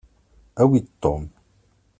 Awi-d Tom.